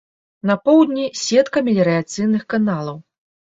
На поўдні сетка меліярацыйных каналаў.